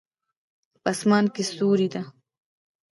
په اسمان کې ستوری ده